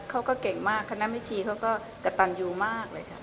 เขาก็เก่งมากคณะเมชีเขาก็กระต่ำอยู่มากเลยฮะ